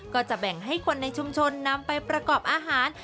ก็จะแบ่งให้คนในชุมชนนำไปประกอบอาหาร